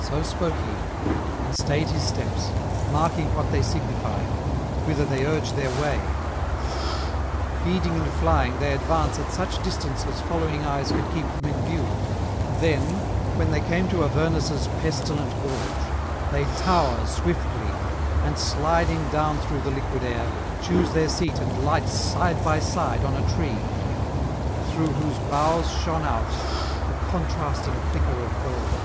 So spoke he and stayed his steps, marking what they signify, whither they urge their way. Feeding and flying they advance at such distance as following eyes could keep them in view; then, when they came to Avernus' pestilent gorge, they tower swiftly, and sliding down through the liquid air, choose their seat and light side by side on a tree, through whose boughs shone out the contrasting flicker of gold.